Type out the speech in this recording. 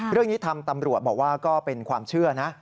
เรื่องนี้ทางตำรวจบอกว่าก็เป็นความเชื่อนะ